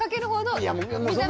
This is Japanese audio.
いや